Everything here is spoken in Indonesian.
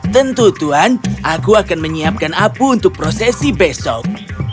tentu tuhan aku akan menyiapkan apu untuk prosesi besok